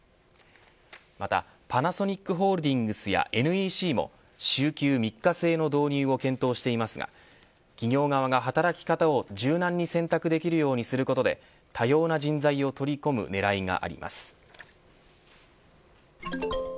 またパナソニックホールディングスやＮＥＣも週休３日制の導入を検討していますが、企業側が働き方を柔軟に選択できるようにすることで多様な人材を取り込む狙いがあります。